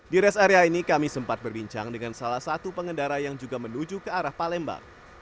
di rest area ini kami sempat berbincang dengan salah satu pengendara yang juga menuju ke arah palembang